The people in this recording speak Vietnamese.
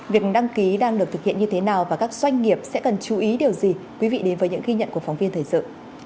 việc đăng ký đang được thực hiện như thế nào và các doanh nghiệp sẽ cần chú ý điều gì quý vị đến với những ghi nhận của phóng viên thời sự